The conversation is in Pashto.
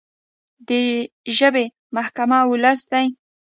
د ژبې محکمه ولس دی.